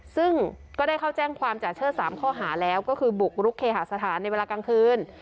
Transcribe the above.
ซึ่งก็ได้เข้าแจ้งความจ่าเชิด๓ข้อหาแล้วก็คือบุกรุกเคหาสถานในเวลากลางคืน